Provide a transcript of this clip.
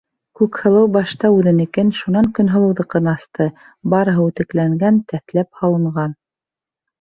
Күкһылыу башта үҙенекен, шунан Көнһылыуҙыҡын асты: барыһы үтекләнгән, тәҫләп һалынған.